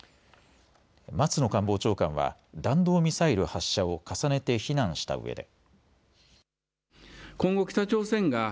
松野官房長官は弾道ミサイル発射を重ねて非難したうえで。